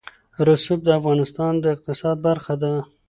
رسوب د افغانستان د اقتصاد برخه ده.